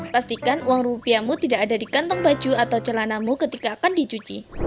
pastikan uang rupiahmu tidak ada di kantong baju atau celanamu ketika akan dicuci